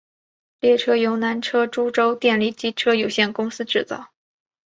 列车由南车株洲电力机车有限公司制造。